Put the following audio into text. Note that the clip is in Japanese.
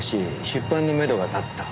出版のめどが立った」